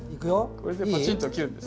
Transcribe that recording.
これでパチンと切るんです。